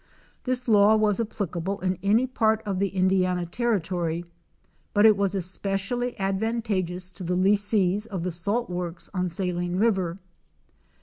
This law was applicable in any part of the Indiana territory, but it was specially advantageous to the lessees of the salt works on Saline river.